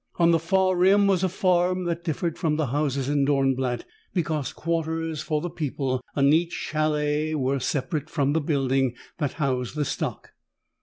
On the far rim was a farm that differed from the houses in Dornblatt because quarters for the people, a neat chalet, were separate from the building that housed the stock.